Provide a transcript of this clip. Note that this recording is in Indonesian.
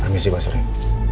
permisi mas reng